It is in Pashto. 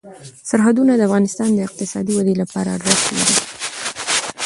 سرحدونه د افغانستان د اقتصادي ودې لپاره ارزښت لري.